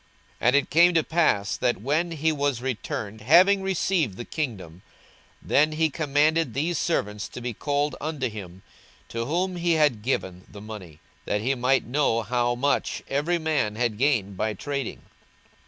42:019:015 And it came to pass, that when he was returned, having received the kingdom, then he commanded these servants to be called unto him, to whom he had given the money, that he might know how much every man had gained by trading.